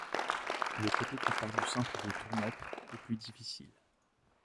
Le côté qui part du centre de Tourneppe est plus difficile.